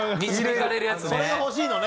それが欲しいのね。